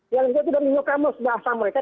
yang itu sudah minyak rambut bahasa mereka